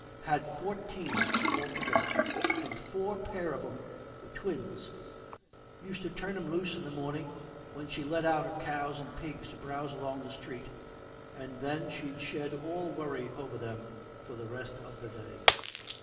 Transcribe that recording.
Had fourteen altogether, and four pair of 'em were twins. Used to turn 'em loose in the morning, when she let out her cows and pigs to browse along the street, and then she'd shed all worry over them for the rest of the day.